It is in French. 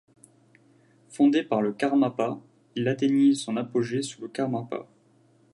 Fondé par le karmapa, il atteignit son apogée sous le karmapa.